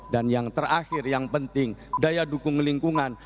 dan yang terakhir yang penting daya dukung lingkungan